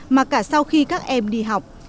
mà cả sau khi các em đi học